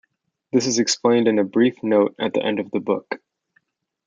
This is explained in a brief note at the end of the book.